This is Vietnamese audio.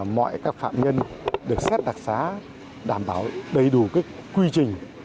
mọi các phạm nhân được xét đặc xá đảm bảo đầy đủ quy trình